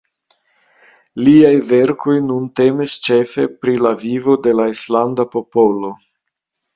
Liaj verkoj nun temis ĉefe pri la vivo de la islanda popolo.